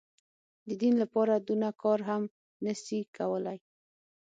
د دين لپاره دونه کار هم نه سي کولاى.